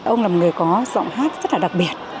ông là một người có giọng hát rất là đặc biệt